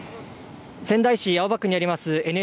仙台市青葉区にあります